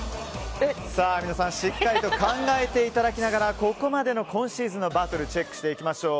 皆さん、しっかりと考えていただきながらここまでの今シーズンのバトルチェックしていきましょう。